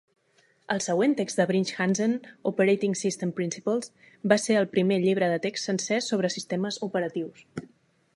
El següent text de Brinch Hansen, "Operating System Principles" va ser el primer llibre de text sencer sobre sistemes operatius.